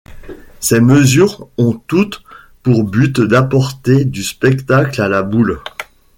Ces mesures ont toutes pour but d'apporter du spectacle à la boule.